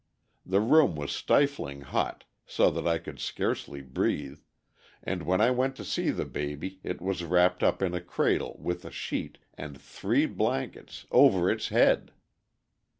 The room was stifling hot, so that I could scarcely breathe, and when I went to see the baby it was wrapped up in a cradle with a sheet and three blankets over its head.